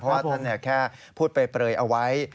เพราะว่าท่านแค่พูดเปลยเอาไว้